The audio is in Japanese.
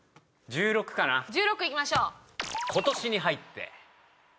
１６いきましょう。